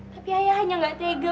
tapi ayah hanya gak tege